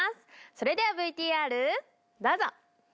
それではＶＴＲどうぞ！